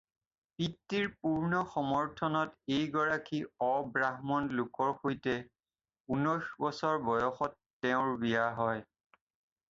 পিতৃৰ পূৰ্ণ সমৰ্থনত এইগৰাকী অব্ৰাহ্মণ লোকৰ সৈতে ঊনৈশ বছৰ বয়সত তেওঁৰ বিয়া হয়।